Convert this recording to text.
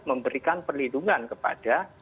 memberikan perlindungan kepada